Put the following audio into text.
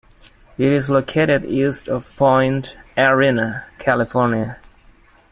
It is located east of Point Arena, California.